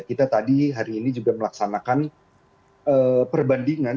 kita tadi hari ini juga melaksanakan perbandingan